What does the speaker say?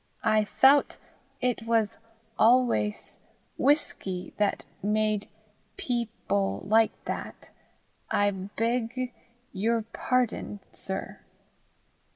I thout it was alwais whisky that made peeple like that. I begg your pardon, sir.